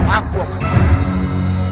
aku akan mengerti